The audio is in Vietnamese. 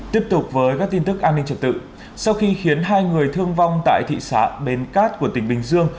tiếp tục với các tin tức an ninh trật tự sau khi khiến hai người thương vong tại thị xã bến cát của tỉnh bình dương